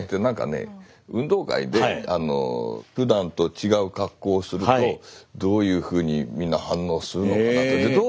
運動会でふだんと違う格好をするとどういうふうにみんな反応するのかなって。